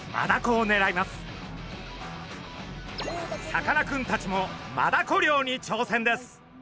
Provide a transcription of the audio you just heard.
さかなクンたちもマダコ漁にちょうせんです。